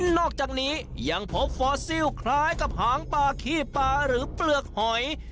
นอกจากนี้ยังพบฟอสซิลคล้ายกับหางปลาขี้ปลาหรือเปลือกหอย